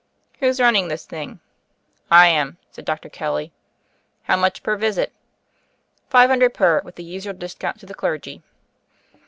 "Who's running this thing?" "I am," said Dr. Kelly. "How much per visit?'] "Five hundred per, with the usual discount to the clergy."